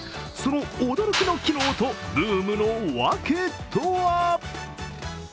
その驚きの機能とブームのわけとは？